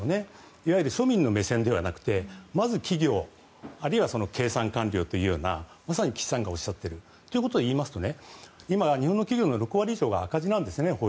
いわゆる庶民の目線ではなくてまず企業あるいは経産官僚というようなまさに岸さんがおっしゃっているということを言いますと今、日本の企業の６割以上が赤字なんですね。